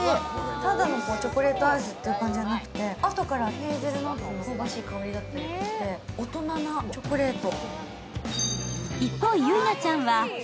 ただのチョコレート味っていうだけじゃなくてあとからヘーゼルナッツの香ばしい香りが来て大人なチョコレート。